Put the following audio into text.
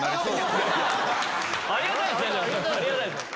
ありがたいっすね！